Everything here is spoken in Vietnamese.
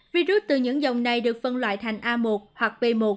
virus từ những dòng này được phân loại thành a một hoặc p một